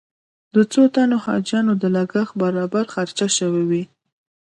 د څو تنو حاجیانو د لګښت برابر خرچه شوې وي.